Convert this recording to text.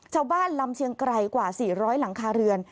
ชาวบ้านลำเชียงไกลกว่า๔๐๐หลังคาเรือน